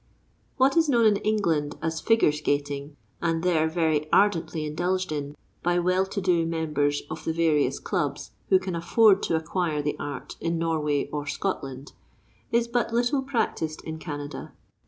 What is known in England as "figure skating," and there very ardently indulged in by well to do members of the various clubs, who can afford to acquire the art in Norway or Scotland, is but little practised in Canada.